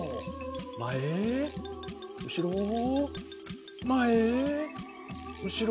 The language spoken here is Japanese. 前後ろ前後ろ。